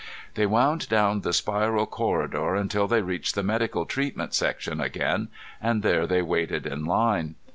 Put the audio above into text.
They wound down the spiral corridor until they reached the medical treatment section again, and there they waited in line.